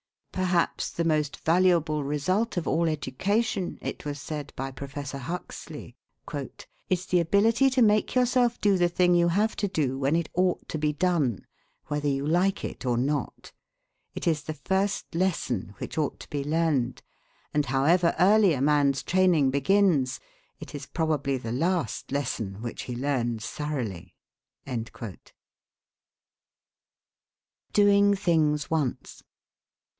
"Perhaps the most valuable result of all education," it was said by Professor Huxley, "is the ability to make yourself do the thing you have to do when it ought to be done, whether you like it or not; it is the first lesson which ought to be learned, and, however early a man's training begins, it is probably the last lesson which he learns thoroughly." DOING THINGS ONCE.